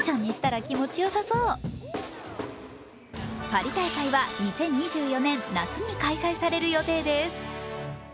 パリ大会は２０２４年夏に開催される予定です。